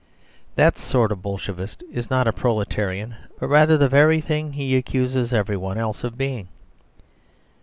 That sort of Bolshevist is not a proletarian, but rather the very thing he accuses everybody else of being.